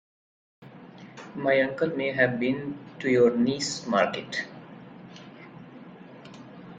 My uncle may have been to your niece's market.